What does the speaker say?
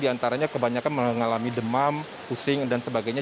diantaranya kebanyakan mengalami demam pusing dan sebagainya